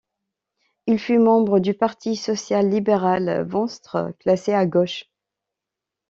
Il fut membre du parti social-libéral Venstre, classé à gauche.